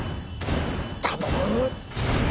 頼む！